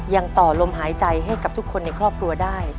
ยังต่อลมหายใจให้กับทุกคนในครอบครัวได้